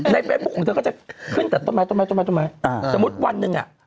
ในไว้ของเธอก็จะขึ้นกับต้นไม้ต้นไม้ต้นไม้ศะแตมุดวันนึงอ่ะ